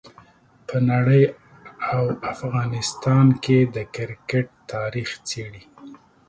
په نړۍ او افغانستان کې د کرکټ تاریخ څېړي.